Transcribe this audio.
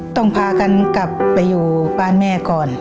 พากันกลับไปอยู่บ้านแม่ก่อน